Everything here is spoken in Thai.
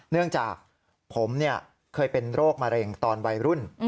เนื่องจากผมเคยเป็นโรคมะเร็งตอนวัยรุ่น